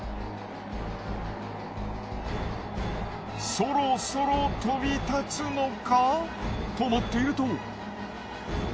そろそろ飛び立つのか？と思っていると。